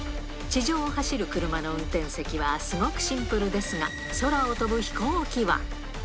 地上を走る車の運転席は、すごくシンプルですが、空を飛ぶ飛行機は。